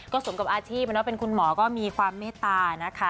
สมกับอาชีพเป็นคุณหมอก็มีความเมตตานะคะ